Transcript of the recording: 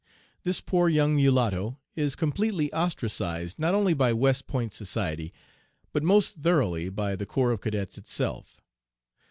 This poor young mulatto is completely ostracized not only by West Point society, but most thoroughly by the corps of cadets itself.